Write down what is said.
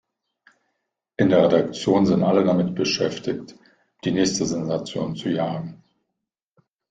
In der Redaktion sind alle damit beschäftigt, die nächste Sensation zu jagen.